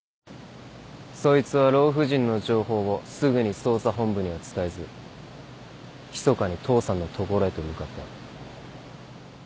そいつは老婦人の情報をすぐに捜査本部には伝えずひそかに父さんの所へと向かった。